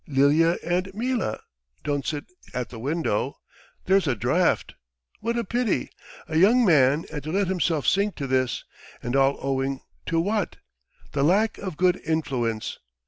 Lilya and Mila, don't sit at the window, there's a draught! What a pity! A young man and to let himself sink to this! And all owing to what? The lack of good influence!